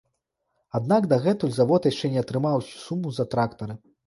Аднак дагэтуль завод яшчэ не атрымаў усю суму за трактары.